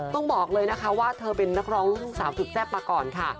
ต้องบอกเลยนะคะว่าเธอเป็นนักร้องลูกทุ่งสาวสุดแซ่บมาก่อนค่ะ